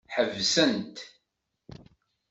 Ḥebsen-t.